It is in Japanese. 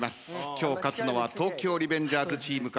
今日勝つのは東京リベンジャーズチームか